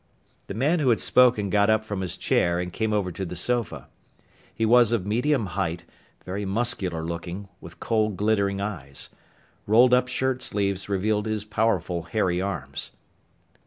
The man who had spoken got up from his chair and came over to the sofa. He was of medium height, very muscular looking, with cold, glittering eyes. Rolled up shirt sleeves revealed his powerful, hairy arms.